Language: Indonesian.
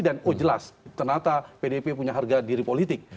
dan oh jelas ternyata pdip punya harga diri politik